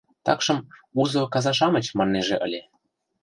Такшым «узо каза-шамыч» маннеже ыле.